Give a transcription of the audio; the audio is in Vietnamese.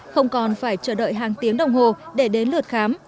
không còn phải chờ đợi hàng tiếng đồng hồ để đến lượt khám